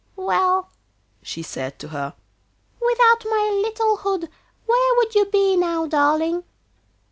'Well,' she said to her, 'without my little hood where would you be now, darling?